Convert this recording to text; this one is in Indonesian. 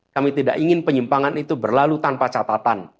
kami tidak ingin penyimpangan itu berlalu tanpa catatan